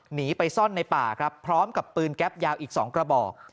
หนีไปซ่อนในป่าครับพร้อมกับปืนแก๊ปยาวอีก๒กระบอก